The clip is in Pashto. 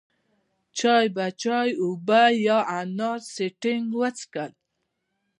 چا به چای، اوبه یا اناري سټینګ وڅښل.